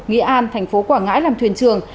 nghĩa an tp quảng ngãi làm thuyền trường